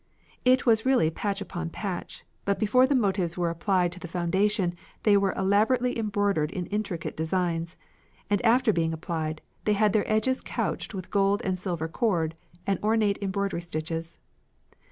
It was really patch upon patch, for before the motives were applied to the foundation they were elaborately embroidered in intricate designs; and after being applied, they had their edges couched with gold and silver cord and ornate embroidery stitches.